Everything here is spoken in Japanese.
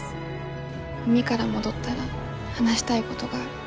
海から戻ったら話したいごどがある。